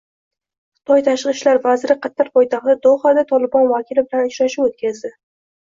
Xitoy tashqi ishlar vaziri Qatar poytaxti Dohada Tolibon vakili bilan uchrashuv o‘tkazdi